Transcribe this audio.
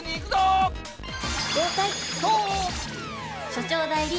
所長代理